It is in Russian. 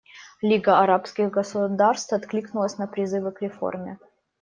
Лига арабских государств откликнулась на призывы к реформе.